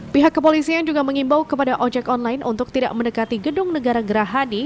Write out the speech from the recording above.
pihak kepolisian juga mengimbau kepada ojek online untuk tidak mendekati gedung negara gerahadi